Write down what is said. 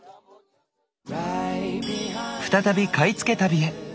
再び買い付け旅へ。